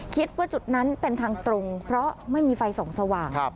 คิดว่าจุดนั้นเป็นทางตรงเพราะไม่มีไฟส่องสว่าง